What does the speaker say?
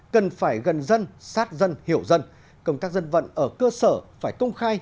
cần phải gần dân sát dân hiểu dân công tác dân vận ở cơ sở phải công khai